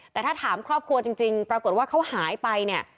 แต่ถ้าถามครอบครัวจริงปรากฏว่าเขาหายไปเนี่ย